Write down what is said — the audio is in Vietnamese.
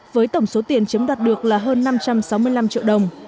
với tổng số tiền chiếm đoạt được là hơn năm trăm sáu mươi năm triệu đồng